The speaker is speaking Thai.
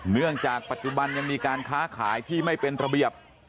เนื่องจากปัจจุบันยังมีการค้าขายที่ไม่เป็นระเบียบ